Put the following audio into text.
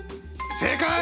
正解！